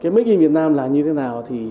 các doanh nghiệp việt đang đặt hàng trung quốc